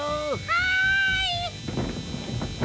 はい！